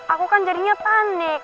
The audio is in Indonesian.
aku kan jadinya panik